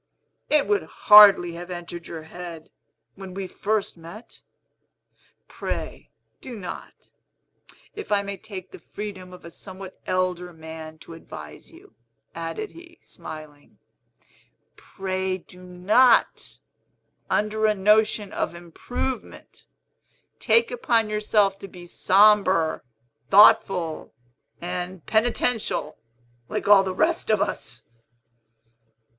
It would hardly have entered your head, when we first met. Pray do not, if I may take the freedom of a somewhat elder man to advise you," added he, smiling, "pray do not, under a notion of improvement, take upon yourself to be sombre, thoughtful, and penitential, like all the rest of us."